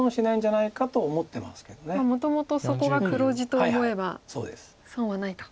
もともとそこが黒地と思えば損はないと。